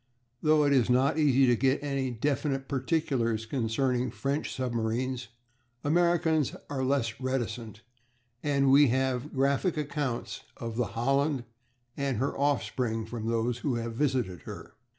Though it is not easy to get any definite particulars concerning French submarines Americans are less reticent, and we have graphic accounts of the Holland and her offspring from those who have visited her.